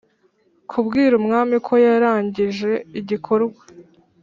kubwira umwami ko yarangije igikorwa..